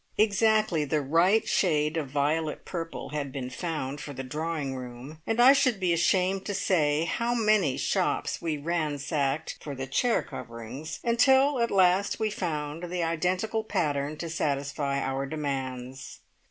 Exactly the right shade of violet purple had been found for the drawing room, and I should be ashamed to say how many shops we ransacked for the chair coverings, until at last we found the identical pattern to satisfy our demands.